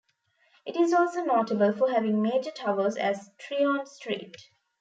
It is also notable for having major towers as Tryon Street.